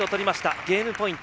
ゲームポイント。